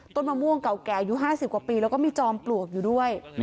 มะม่วงเก่าแก่อายุ๕๐กว่าปีแล้วก็มีจอมปลวกอยู่ด้วย